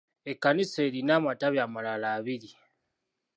Ekkanisa erina amatabi amalala abiri.